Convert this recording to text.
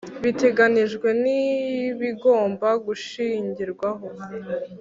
biteganijwe n ibigomba gushingirwaho